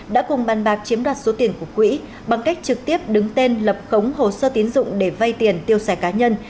đã cùng bàn bạc chiếm đoạt số tiền của quỹ bằng cách trực tiếp đứng tên lập khống hồ sơ tiến dụng để vay tiền tiêu xài cá nhân